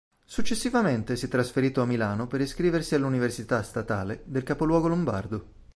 Successivamente si è trasferito a Milano per iscriversi all'università statale del capoluogo lombardo.